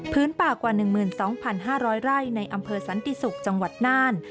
ป่ากว่า๑๒๕๐๐ไร่ในอำเภอสันติศุกร์จังหวัดน่าน